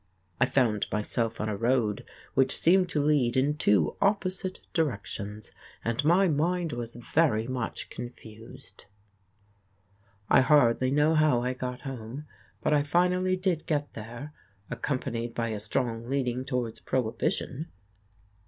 I found myself on a road which seemed to lead in two opposite directions, and my mind was very much confused. I hardly know how I got home, but I finally did get there, accompanied by a strong leaning towards Prohibition.